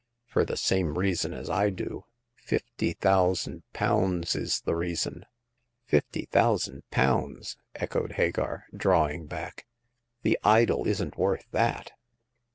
" Fur the same reason as I do. Fifty thou sand pounds is the reason !"" Fifty thousand pounds !" echoed Hagar, drawing back : "the idol isn't worth that